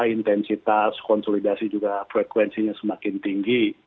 intensitas konsolidasi juga frekuensinya semakin tinggi